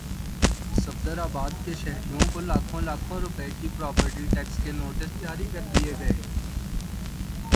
صفدرآباد کے شہریوں کو لاکھوں لاکھوں روپے کے پراپرٹی ٹیکس کے نوٹس جاری کردیئے گئے